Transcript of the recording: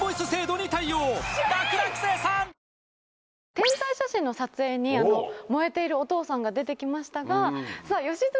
天体写真の撮影に燃えているお父さんが出てきましたが。